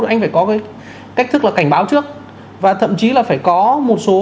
anh phải có cách thức cảnh báo trước và thậm chí là phải có một số